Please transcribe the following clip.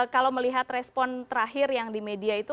kalau melihat respon terakhir yang di media itu